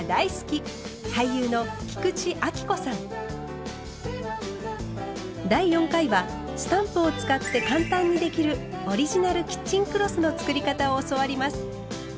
俳優の第４回はスタンプを使って簡単にできるオリジナルキッチンクロスの作り方を教わります。